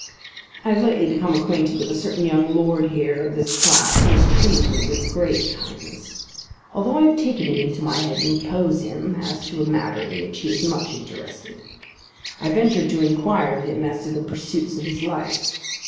I have lately become acquainted with a certain young lord here of this class who has treated me with great kindness, although I have taken it into my head to oppose him as to a matter in which he is much interested. I ventured to inquire of him as to the pursuits of his life.